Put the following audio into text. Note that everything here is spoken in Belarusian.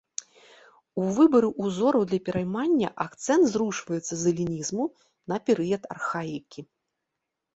У выбары ўзораў для пераймання акцэнт зрушваецца з элінізму на перыяд архаікі.